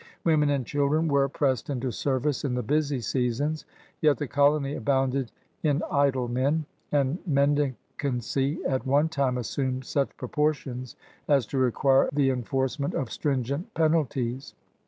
Women and children were pressed into service in the busy seasons. Yet the colony abounded in idle men, and mendicancy at one time assumed such proportions as to require the enforcement of stringent penalties.